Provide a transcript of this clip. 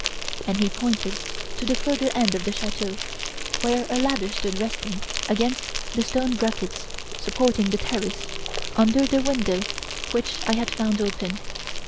"And he pointed to the further end of the chateau, where a ladder stood resting against the stone brackets supporting the terrace, under the window which I had found open.